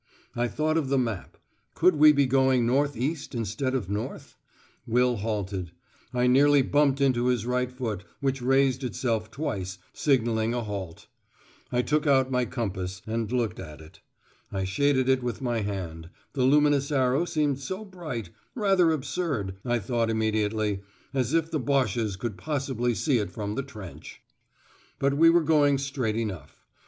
I thought of the map. Could we be going north east instead of north? Will halted. I nearly bumped into his right foot, which raised itself twice, signalling a halt. I took out my compass, and looked at it. I shaded it with my hand, the luminous arrow seemed so bright: "rather absurd," I thought immediately, "as if the Boches could possibly see it from the trench." But we were going straight enough.